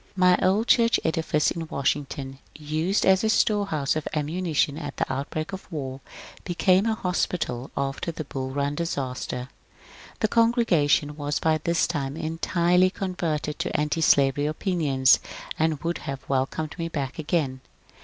My old church edifice in Washington, used as a storehouse of ammunition at the outbreak of war, became a hospital after the Bull Run disaster. The congregation was by this time entirely converted to ^tislavery opinions, and would have welcomed me back again.